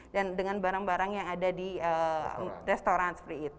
dan dengan barang barang yang ada di restoran